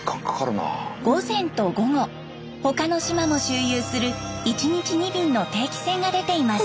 午前と午後他の島も周遊する１日２便の定期船が出ています。